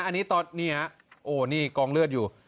อันนี้ตอนนี่ฮะโอ้นี่กองเลือดอยู่